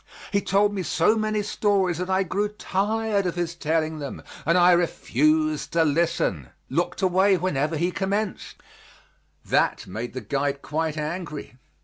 He told me so many stories that I grew tired of his telling them and I refused to listen looked away whenever he commenced; that made the guide quite angry.